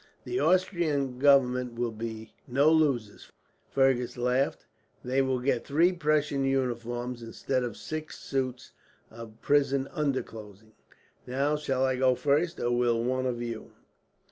"The Austrian government will be no losers," Fergus laughed. "They will get three Prussian uniforms, instead of six suits of prison underclothing. Now, shall I go first, or will one of you?"